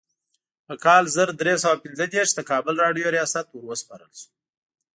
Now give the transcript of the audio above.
په کال زر درې سوه پنځه دیرش د کابل راډیو ریاست وروسپارل شو.